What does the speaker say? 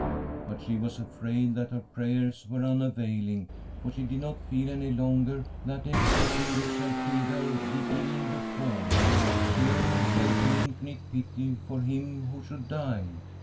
But she was afraid that her prayers were unavailing, for she did not feel any longer that ecstasy which had filled her the evening before ; she only felt an infinite pity for him who should die.